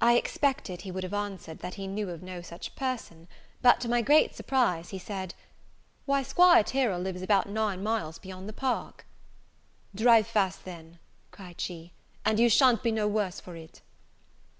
I expected he would have answered, that he knew of no such person; but, to my great surprise, he said, "Why, 'Squire Tyrell lives about nine miles beyond the park." "Drive fast, then," cried she, "and you sha'n't be no worse for it."